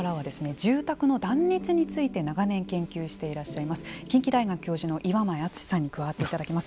住宅の断熱について長年研究していらっしゃいます近畿大学教授の岩前篤さんに加わっていただきます。